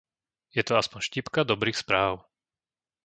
Je to aspoň štipka dobrých správ.